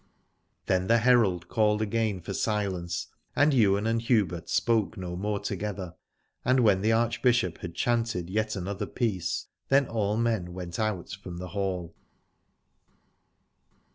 Then the herald called again for silence, and Ywain and Hubert spoke no more together. And when the Archbishop had chanted yet another piece then all men went out from the hall.